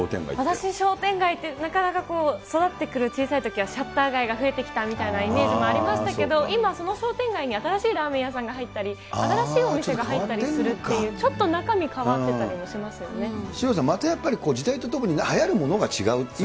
私、商店街って、なかなか育ってくる、小さいときは、シャッター街が増えてきたみたいなイメージもありましたけど、今、その商店街に新しいラーメン屋さんが入ったり、新しいお店が入ったりするっていう、ちょっと潮田さん、またやっぱり時代とともにはやるものが違うっていう。